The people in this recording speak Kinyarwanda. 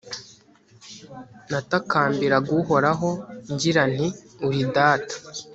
natakambiraga uhoraho, ngira nti uri data